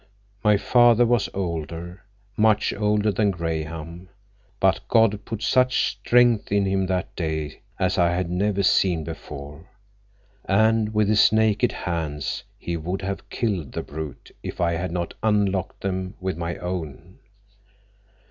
My father was older, much older than Graham, but God put such strength in him that day as I had never seen before, and with his naked hands he would have killed the brute if I had not unlocked them with my own.